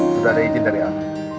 sudah ada izin dari ahli